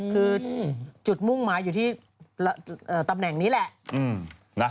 คือจุดมุ่งหมายอยู่ที่ตำแหน่งนี้แหละ